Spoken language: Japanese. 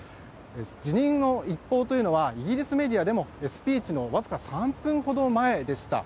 辞任の一報はイギリスメディアでもスピーチのわずか３分ほど前でした。